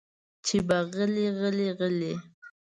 چې به غلې غلې غلې